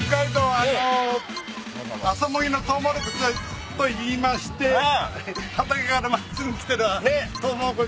あの朝もぎのトウモロコシといいまして畑から真っすぐ来てるトウモロコシで。